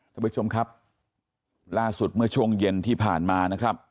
ท่านผู้ชมครับล่าสุดเมื่อช่วงเย็นที่ผ่านมานะครับ